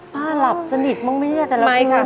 ป้าหลับสนิทมั้งมั้ยเนี่ยแต่ละคืน